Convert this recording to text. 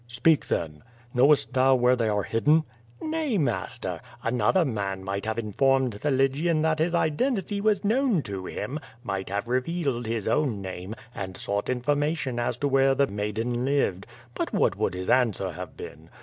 "Speak then. Knowest thou where they are hidden?" ^^Nay, master; another man might have informed the Lygian that his identity was known to him, might have re vealed his own name, and sought information as to where the maiden lived. But what would his answer have been?